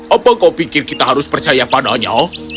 apa kau pikir kita harus percaya padanya